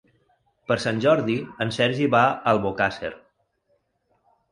Per Sant Jordi en Sergi va a Albocàsser.